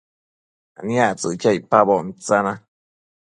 aniactsëqui icpaboc mitsana